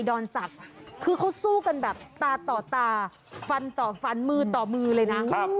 อนศักดิ์คือเขาสู้กันแบบตาต่อตาฟันต่อฟันมือต่อมือเลยนะ